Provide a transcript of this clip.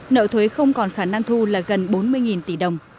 nợ thuế không còn khả năng thu là gần bốn mươi tỷ đồng